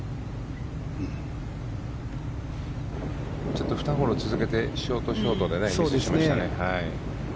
ちょっと２ホール続けてショート、ショートでミスしましたね。